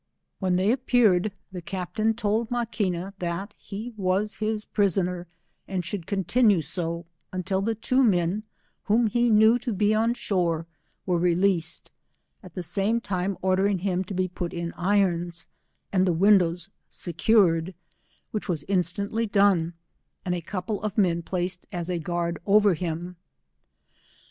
When they appeared, the captain told Maquina that he was his prisoner, and shouid continue so, until the two men, whom he knew to be on shore, were released, at the same time order ing him to be put in irons, and the windows secur ed, which was instantly done, and a couple of men placed as a guard over him.